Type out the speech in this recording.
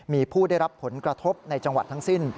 มีผู้ได้รับผลกระทบในจังหวัดทั้งสิ้น